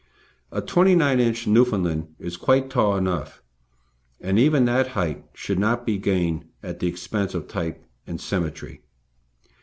A 29 inch Newfoundland is quite tall enough, and even that height should not be gained at the expense of type and symmetry.